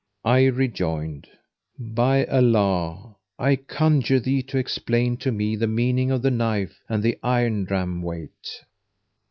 I rejoined, "By Allah, I conjure thee to explain to me the meaning of the knife and the iron dram weight."